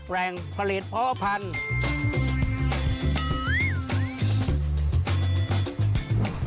แรงเผล็ดเพราะพันธุ์